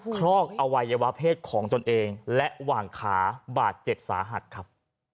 คลอกอวัยวะเพศของตนเองและหว่างขาบาดเจ็บสาหัสครับ